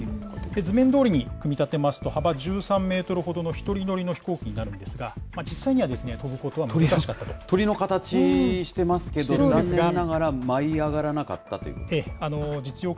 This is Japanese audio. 図面どおりに組み立てますと、幅１３メートルほどの１人乗りの飛行機になるんですが、実際には鳥の形してますけど、残念ながら、舞い上がらなかったということですか。